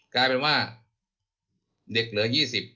กลายเป็นว่าเด็กเหลือ๒๐